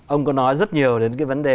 ông có nói rất nhiều đến cái vấn đề